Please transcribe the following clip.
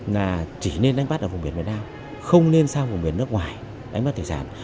là chỉ nên đánh bắt ở vùng biển việt nam không nên sang vùng biển nước ngoài đánh bắt thủy sản